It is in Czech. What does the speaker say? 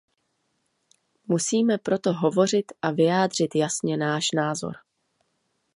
Musíme proto hovořit a vyjádřit jasně náš názor.